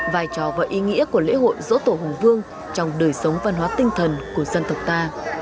vai trò và ý nghĩa của lễ hội dỗ tổ hùng vương trong đời sống văn hóa tinh thần của dân tộc ta